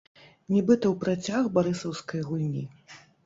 Нібыта ў працяг барысаўскай гульні.